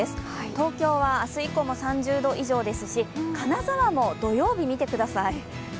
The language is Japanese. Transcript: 東京は明日以降も３０度以上ですし金沢も土曜日、見てください。